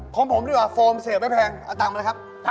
ของผมดีกว่าโฟมเสพไม่แพงเอาตังค์มาเลยครับ